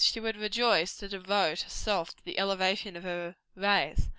She would rejoice to devote her self to the elevation of her race.